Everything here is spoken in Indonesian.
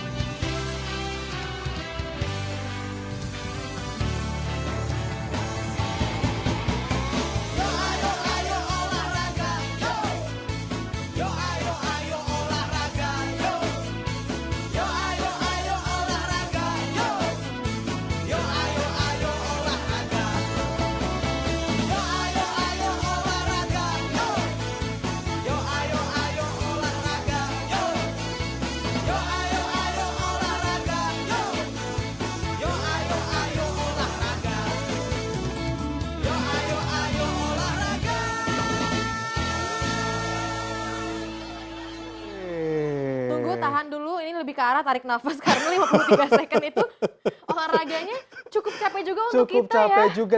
tunggu tahan dulu ini lebih ke arah tarik nafas karena lima puluh tiga second itu olahraganya cukup capek juga untuk kita ya